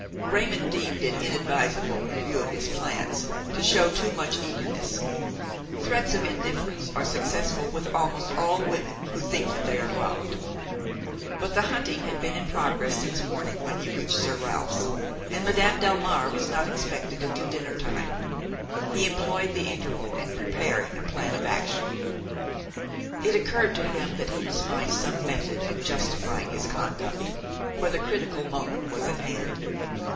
Raymon deemed it inadvisable, in view of his plans, to show too much eagerness; threats of indifference are successful with almost all women who think that they are loved. But the hunting had been in progress since morning when he reached Sir Ralph's, and Madame Delmare was not expected until dinner time. He employed the interval in preparing a plan of action. It occurred to him that he must find some method of justifying his conduct, for the critical moment was at hand.